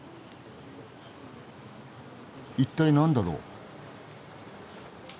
一体何だろう？